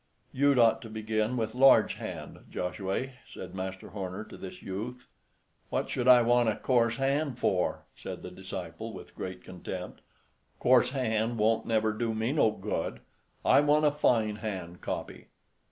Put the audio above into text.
"You'd ought to begin with large hand, Joshuay," said Master Horner to this youth. "What should I want coarse hand for?" said the disciple, with great contempt; "coarse hand won't never do me no good. I want a fine hand copy."